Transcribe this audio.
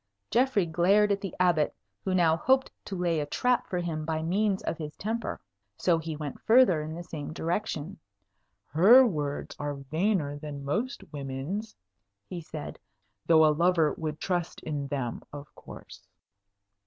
Geoffrey glared at the Abbot, who now hoped to lay a trap for him by means of his temper. So he went further in the same direction. "Her words are vainer than most women's," he said; "though a lover would trust in them, of course."